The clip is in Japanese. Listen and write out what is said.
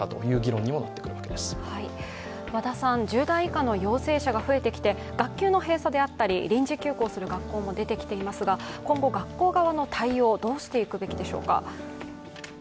１０代以下の陽性者が増えてきて学級の閉鎖であったり臨時休校する学校も出てきていますが今後学校側の対応、どうしていくべきでしょうか？